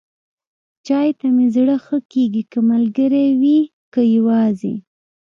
چای ته مې زړه ښه کېږي، که ملګری وي، که یواځې.